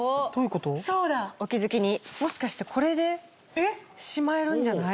そうだお気づきにもしかしてこれでしまえるんじゃない？